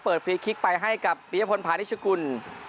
เปิดฟรีกคลิกไปให้กับพิยพลภานิชกุล